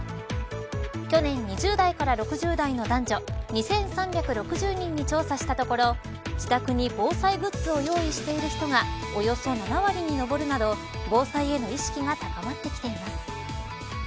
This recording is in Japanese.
去年、２０代から６０代の男女２３６０人に調査したところ自宅に防災グッズを用意している人がおよそ７割に上るなど防災への意識が高まってきています。